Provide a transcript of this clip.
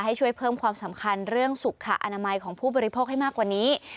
ให้ช่วยเพิ่มความสำคัญเรื่องสุขอนามัยของผู้บริโภคให้มากกว่านี้